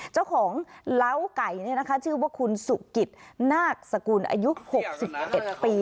เจ้าของเหล้าไก่เนี่ยนะคะชื่อว่าคุณสุกิตนากสกุลอายุหกสิบเอ็ดปี